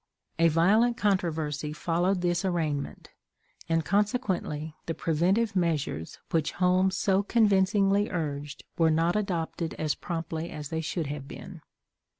A violent controversy followed this arraignment, and, consequently, the preventive measures which Holmes so convincingly urged were not adopted as promptly as they should have been.